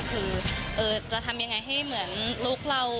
คือจะทำยังไงให้เหมือนลูกเรา